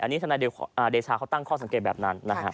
อันนี้ทนายเดชาเขาตั้งข้อสังเกตแบบนั้นนะฮะ